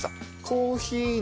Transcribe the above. コーヒーの？